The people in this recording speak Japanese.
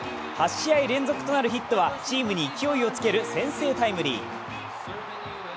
８試合連続となるヒットはチームに勢いをつける先制タイムリー。